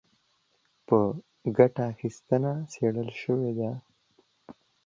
په ګټه اخیستنې څېړل شوي دي